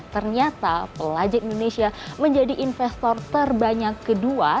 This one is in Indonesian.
ternyata pelajar indonesia menjadi investor terbanyak kedua